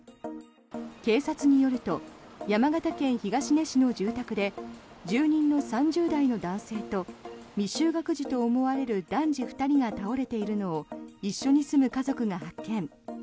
警察によると山形県東根市の住宅で住人の３０代の男性と未就学児と思われる男児２人が倒れているのを一緒に住む家族が発見。